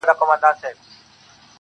ساقي خراب تراب مي کړه نڅېږم به زه